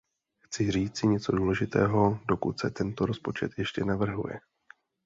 Chci říci něco důležitého, dokud se tento rozpočet ještě navrhuje.